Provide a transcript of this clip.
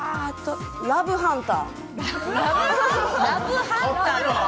ラブハンター。